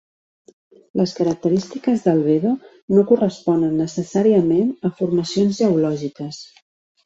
Les característiques d'albedo no corresponen necessàriament a formacions geològiques.